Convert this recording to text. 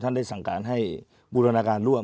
ได้สั่งการให้บูรณาการร่วม